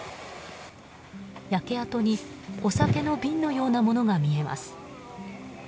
焼け跡にお酒の瓶のようなものが見えます。